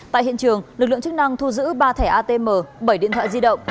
tại hiện trường lực lượng chức năng thu giữ ba thẻ atm bảy điện thoại di động